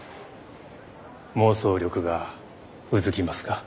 妄想力がうずきますか？